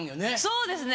そうですね。